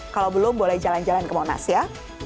kalau belum boleh jalan jalan ke monas ya